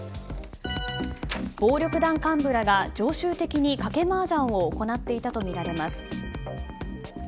暴力団幹部らが常習的に賭けマージャンを行っていたとみられます。